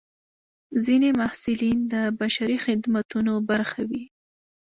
ځینې محصلین د بشري خدمتونو برخه وي.